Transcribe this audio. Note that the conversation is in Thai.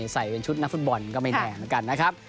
ใส่เป็นชุดนักฟุตบอลก็ไม่แน่ครับ